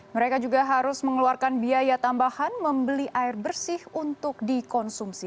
mereka juga harus mengeluarkan biaya tambahan membeli air bersih untuk dikonsumsi